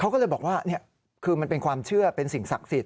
เขาก็เลยบอกว่านี่คือมันเป็นความเชื่อเป็นสิ่งศักดิ์สิทธิ